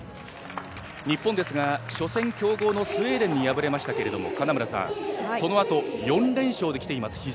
日本ですが、初戦、強豪のスウェーデンに敗れましたけれどもそのあと、４連勝で来ています。